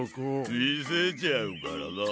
みせちゃうからなあ。